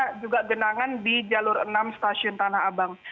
ada juga genangan di jalur enam stasiun tanah abang